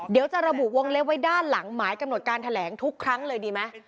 เดี๋ยวจะระบุวงเล็บไว้ด้านหลังหมายกำหนดการแถลงทุกครั้งเลยดีไหม